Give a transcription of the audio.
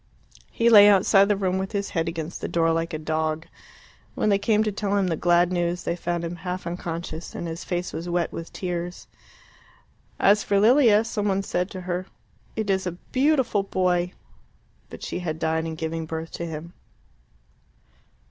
He lay outside the room with his head against the door like a dog. When they came to tell him the glad news they found him half unconscious, and his face was wet with tears. As for Lilia, some one said to her, "It is a beautiful boy!" But she had died in giving birth to him.